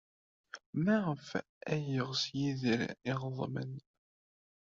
Maɣef ay yeɣs Yidir iɣeḍmen?